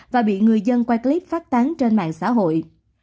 và bị người dân quay clip phát tán trên mạng xã hội